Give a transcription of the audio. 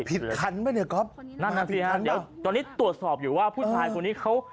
คันไหมเนี่ยก๊อฟนั่นน่ะสิฮะเดี๋ยวตอนนี้ตรวจสอบอยู่ว่าผู้ชายคนนี้เขา